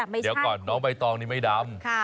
เดี๋ยวก่อนน้องไม่ตองไม่ดำค่ะ